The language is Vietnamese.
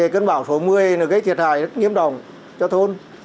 cơn bão số một mươi nó gây thiệt hại rất nghiêm đồng cho thôn